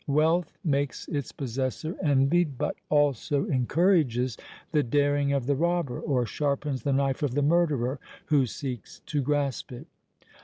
Wealth makes its possessor envied, but also encourages the daring of the robber, or sharpens the knife of the murderer who seeks to grasp it.